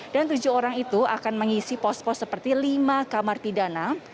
dan tujuh orang itu akan mengisi pos pos seperti lima kamar pidana